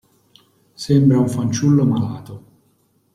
Sembra un fanciullo malato.